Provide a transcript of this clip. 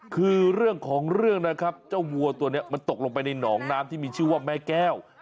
คือเรื่องของเรื่องนะครับเจ้าวัวตัวนี้มันตกลงไปในหนองน้ำที่มีชื่อว่าแม่แก้ว